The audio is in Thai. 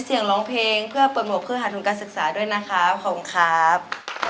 มีเกรงเพื่อเปิดหมวกเพื่อหาทุนการศึกษาด้วยนะคะขอบคุณครับ